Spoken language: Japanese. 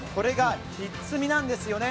ひっつみなんですよね。